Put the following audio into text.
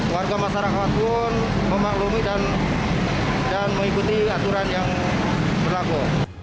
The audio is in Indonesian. warga masyarakat pun memaklumi dan mengikuti aturan yang berlaku